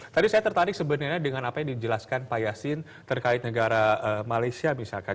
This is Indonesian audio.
tadi saya tertarik sebenarnya dengan apa yang dijelaskan pak yasin terkait negara malaysia misalkan